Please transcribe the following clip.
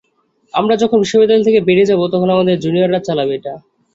আমরা যখন বিশ্ববিদ্যালয় থেকে বেরিয়ে যাব, তখন আমাদের জুনিয়ররা চালাবে এটি।